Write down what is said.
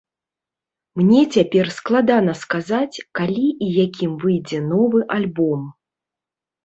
Мне цяпер складана сказаць, калі і якім выйдзе новы альбом.